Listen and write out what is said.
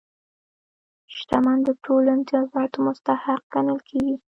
شتمن د ټولو امتیازاتو مستحق ګڼل کېږي.